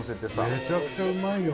めちゃくちゃうまいよ。